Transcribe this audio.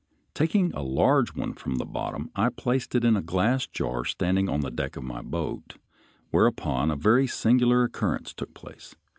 Taking a large one from the bottom, I placed it in a glass jar standing on the deck of my boat, whereupon a very singular occurrence took place.